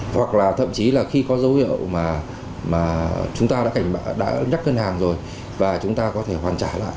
hoặc là thậm chí là khi có dấu hiệu mà chúng ta đã nhắc ngân hàng rồi và chúng ta có thể hoàn trả lại